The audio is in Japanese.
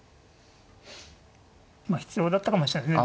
まあ必要だったかもしれないですね。